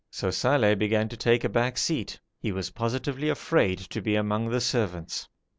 So Saleh began to take a back seat. He was positively afraid to be among the servants.